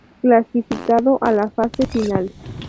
Clasificado a la fase final.